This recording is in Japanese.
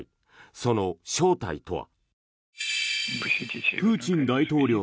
その正体とは。